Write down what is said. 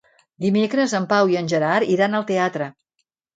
Dimecres en Pau i en Gerard iran al teatre.